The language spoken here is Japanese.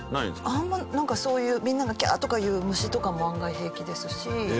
あんまりなんかそういうみんながキャーとかいう虫とかも案外平気ですし。